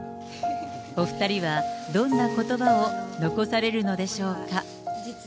お２人はどんなことばを残されるのでしょうか。